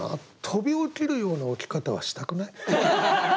飛び起きるような起き方はしたくない。